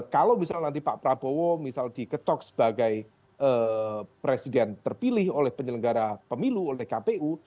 kalau misalnya nanti pak prabowo misal diketok sebagai presiden terpilih oleh penyelenggara pemilu oleh kpu